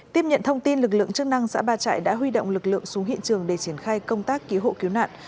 tiếp nhận thông tin lực lượng chức năng xã ba trại đã huy động lực lượng xuống hiện trường để triển khai công tác cứu hộ cứu nạn